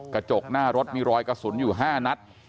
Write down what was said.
กระจกหน้ารถมีรอยกระสุนอยู่๕นัด